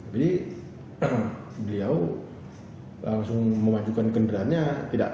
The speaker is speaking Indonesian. jadi beliau langsung memajukan kenderanya